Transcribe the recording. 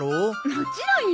もちろんよ。